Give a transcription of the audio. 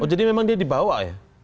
jadi memang dia dibawa ya